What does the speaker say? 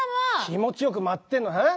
気持ちよく舞ってんのにはあ？